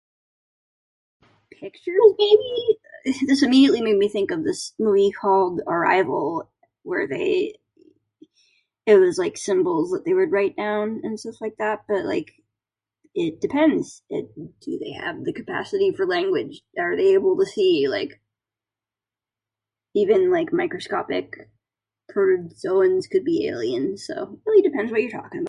Pictures, maybe? This immediately made me think of this movie called Arrival where they... it was like symbols that they would write down, and stuff like that. But, like it depends it... do they have the capacity for language, are they able to see, like... even, like, microscopic protozoans could be aliens. So, it really depends what you're talking about.